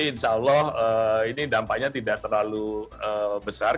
insya allah ini dampaknya tidak terlalu besar